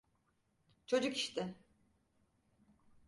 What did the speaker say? Çocuk işte.